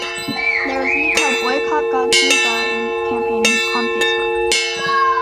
There is even a Boycott Godiva campaign on Facebook.